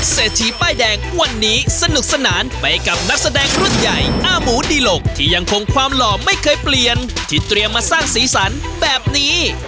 เศรษฐีป้ายแดงวันนี้สนุกสนานไปกับนักแสดงรุ่นใหญ่อ้าหมูดิหลกที่ยังคงความหล่อไม่เคยเปลี่ยนที่เตรียมมาสร้างสีสันแบบนี้